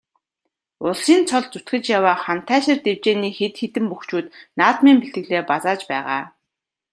Улсын цолд зүтгэж яваа Хантайшир дэвжээний хэд хэдэн бөхчүүд наадмын бэлтгэлээ базааж байгаа.